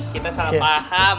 kita salah paham